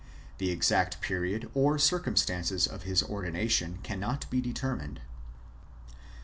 The exact period or circumstances of his ordination cannot be deter mined.